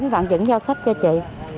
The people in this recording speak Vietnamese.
mấy bạn vẫn giao sách cho chị